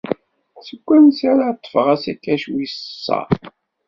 Seg wansi ara ḍḍfeɣ asakac wis sa?